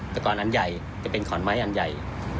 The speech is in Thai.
แต่ก่อนอันใหญ่จะเป็นขอนไม้อันใหญ่